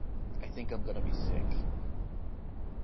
I think I'm going to be sick.